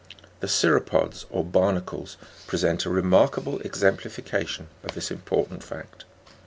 The Cirrhopods or Barnacles present a remarkable exemplification of this important fact."